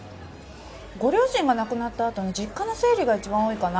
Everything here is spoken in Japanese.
ご両親が亡くなったあとの実家の整理が一番多いかな。